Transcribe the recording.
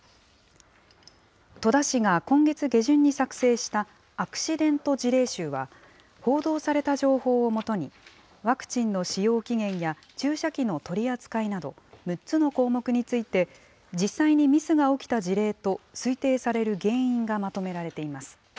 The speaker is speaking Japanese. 戸田市が今月下旬に作成した、アクシデント事例集は、報道された情報をもとに、ワクチンの使用期限や注射器の取り扱いなど、６つの項目について実際にミスが起きた事例と推定される原因がまとめられています。